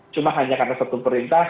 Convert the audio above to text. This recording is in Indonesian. cuma hanya karena satu perintah